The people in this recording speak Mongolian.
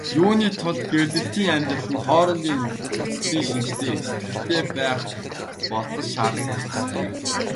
Юуны тулд гэрлэлтийн амьдрал нь хоорондын зохицлын шинжтэй сэтгэлтэй байх болзол шаардагдах ёстой.